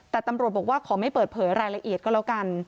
แต่ตำรวจบอกว่าขอไม่เปิดเผยรายละเอียดก็แล้วกัน